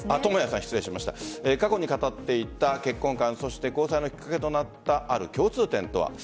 過去に語っていた結婚観交際のきっかけとなったある共通点とは。